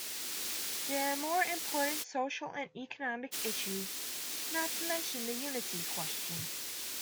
There are more important social and economic issues, not to mention the unity question.